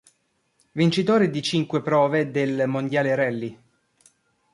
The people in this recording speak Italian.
Vincitore di cinque prove del mondiale rally.